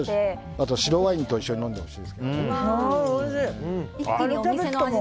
あと、白ワインと一緒に飲んでほしいです。